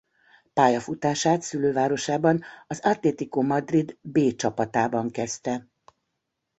Pályafutását szülővárosában az Atlético Madrid B csapatában kezdte.